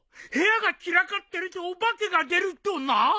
部屋が散らかってるとお化けが出るとな！？